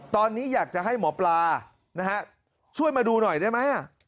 ตอนนี้อยากจะให้หมอปลานะฮะช่วยมาดูหน่อยได้ไหม